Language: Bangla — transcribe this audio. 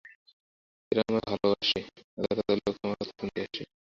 এরা আমায় ভালবাসে, হাজার হাজর লোক আমার কথা শুনিতে আসে।